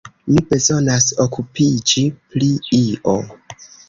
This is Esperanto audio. Mi bezonas okupiĝi pri io.